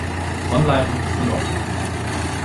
Online und Offline.